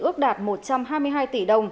ước đạt một trăm hai mươi hai tỷ đồng